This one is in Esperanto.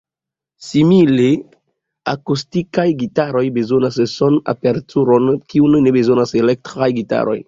Simile, akustikaj gitaroj bezonas son-aperturon, kiun ne bezonas elektraj gitaroj.